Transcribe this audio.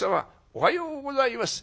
おはようございます。